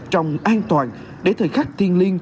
trong an toàn để thời khắc thiên liêng